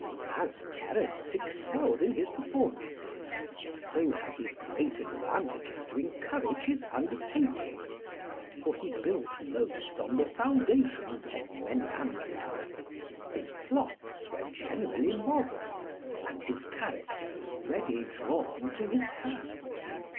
As Terence excelled in his performances, so had he great advantages to encourage his undertakings, for he built most on the foundations of Menander: his plots were generally modelled, and his characters ready drawn to his hand.